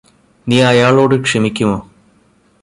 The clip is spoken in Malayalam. നീ അയാളോട് ക്ഷമിക്കുമോ